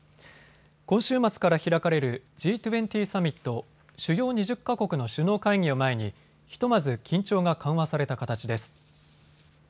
今週末から開かれるＧ２０サミット・主要２０か国の首脳会議を前にひとまず緊張が緩和された形です。